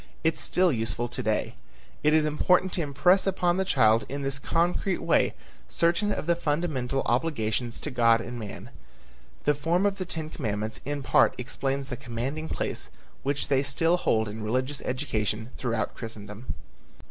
It is still useful to day. It is important to impress upon the child in this concrete way certain of the fundamental obligations to God and man. The form of the ten commandments in part explains the commanding place which they still hold in religious education throughout Christendom.